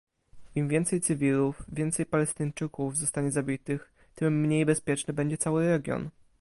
Im więcej cywilów, więcej Palestyńczyków, zostanie zabitych, tym mniej bezpieczny będzie cały region!